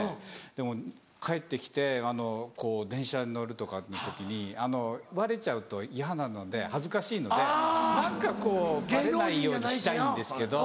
でも帰って来てこう電車に乗るとかの時にバレちゃうと嫌なので恥ずかしいので何かこうバレないようにしたいんですけど。